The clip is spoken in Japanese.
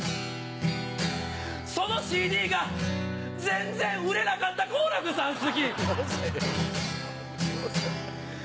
その ＣＤ が全然売れなかった好楽さん好き